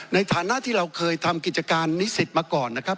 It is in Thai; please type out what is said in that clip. ในฐานะที่เราเคยทำกิจการนิสิตมาก่อนนะครับ